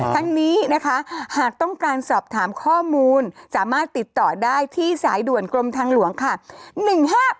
ทั้งนี้นะคะหากต้องการสอบถามข้อมูลสามารถติดต่อได้ที่สายด่วนกรมทางหลวงค่ะ